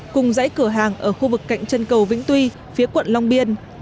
cùng dãy cửa hàng ở khu vực cạnh chân cầu vĩnh tuy phía quận long biên